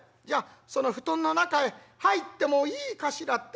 『じゃあその布団の中へ入ってもいいかしら』